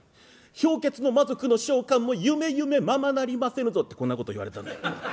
氷結の魔族の召喚もゆめゆめままなりませぬぞ』ってこんなこと言われたんだよ。